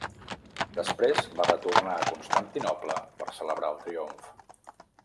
Després va retornar a Constantinoble per celebrar el triomf.